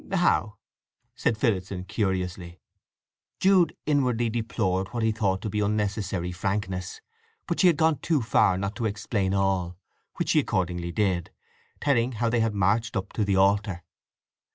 "How?" said Phillotson curiously. Jude inwardly deplored what he thought to be unnecessary frankness; but she had gone too far not to explain all, which she accordingly did, telling him how they had marched up to the altar.